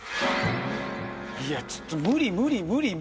いやちょっと無理無理無理。